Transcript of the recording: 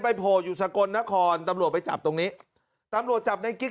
ไปโผลยุศกลนะครตำลวดไปจับตรงนี้ตำลวดจับในกิ๊ก